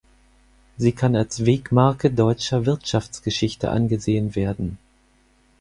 Sie kann als Wegmarke deutscher Wirtschaftsgeschichte angesehen werden.